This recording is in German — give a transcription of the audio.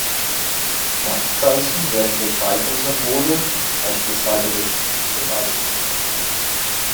Satzzeichen werden durch weitere Symbole, beispielsweise durch Punkte, dargestellt.